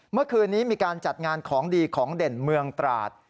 เมื่อคืนนี้มีการจัดงานของดีของเด่นเมืองตราด